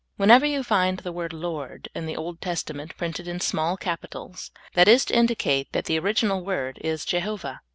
Whenever you find the word Lord in the Old Testa ment printed in small capitals, that is to indicate that the original word is Jehovah.